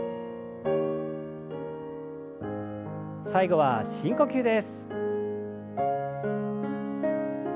最後は深呼吸です。